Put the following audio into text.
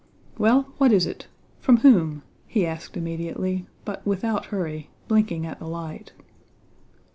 "Well, what is it? From whom?" he asked immediately but without hurry, blinking at the light.